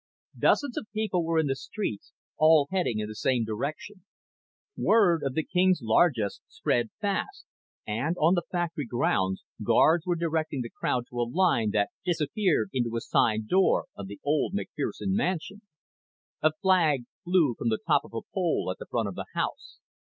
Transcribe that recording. Dozens of people were in the streets, all heading in the same direction. Word of the king's largess spread fast and, on the factory grounds, guards were directing the crowd to a line that disappeared into a side door of the old McFerson mansion. A flag flew from the top of a pole at the front of the house.